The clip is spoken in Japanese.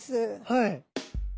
はい。